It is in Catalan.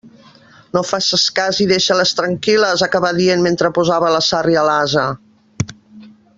«No faces cas i deixa-les tranquil·les», acabà dient mentre posava la sàrria a l'ase.